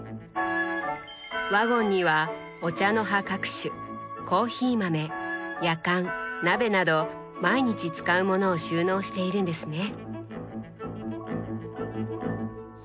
ワゴンにはお茶の葉各種コーヒー豆やかん鍋など毎日使うものを収納しているんですね。